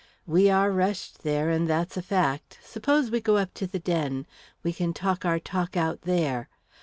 "We are rushed there, and that's a fact. Suppose we go up to the den. We can talk our talk out, there.